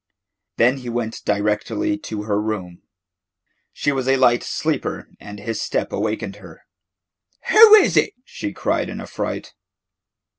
Then he went directly to her room. She was a light sleeper, and his step awakened her. "Who is it?" she cried in affright.